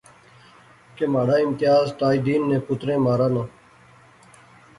کہ مہاڑا امتیاز تاج دین نے پتریں مارانا